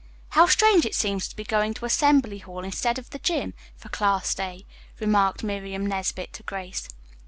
"How strange it seems to be going to Assembly Hall instead of the gym. for class day," remarked Miriam Nesbit to Grace.